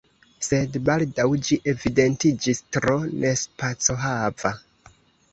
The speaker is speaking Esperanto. Sed baldaŭ ĝi evidentiĝis tro nespacohava.